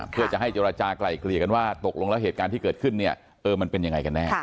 เพื่อจะให้เจรจากลายเกลี่ยกันว่าตกลงแล้วเหตุการณ์ที่เกิดขึ้นเนี่ยเออมันเป็นยังไงกันแน่